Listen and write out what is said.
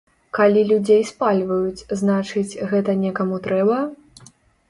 Калі людзей спальваюць, значыць, гэта некаму трэба?